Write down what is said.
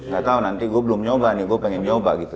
gak tau nanti gue belum nyoba nih gue pengen nyoba gitu